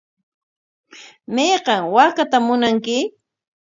¿Mayqan waakaatam munanki?